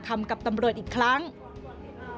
ทำไมเราต้องเป็นแบบเสียเงินอะไรขนาดนี้เวรกรรมอะไรนักหนา